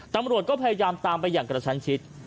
ตำรวจก็พยายามตามไปอย่างกระชั้นชิด